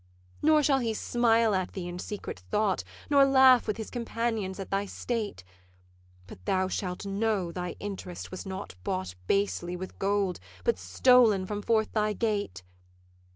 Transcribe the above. Nor shall he smile at thee in secret thought, Nor laugh with his companions at thy state; But thou shalt know thy interest was not bought Basely with gold, but stol'n from forth thy gate.